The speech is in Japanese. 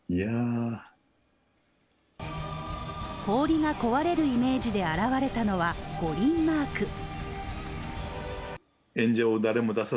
氷が壊れるイメージで現れたのは五輪マーク。